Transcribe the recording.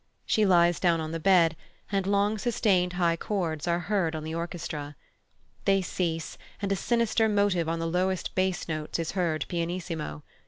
She lies down on the bed, and long sustained high chords are heard on the orchestra. These cease, and a sinister motive on the lowest bass notes is heard pianissimo.